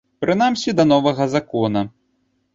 Прынамсі, да новага закона.